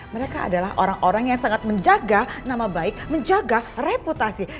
mereka adalah orang orang yang sangat menjaga nama baik menjaga reputasi